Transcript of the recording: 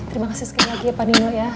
terima kasih sekali lagi pak nino ya